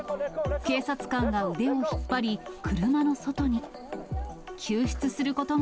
警察官が腕を引っ張り、車の外に。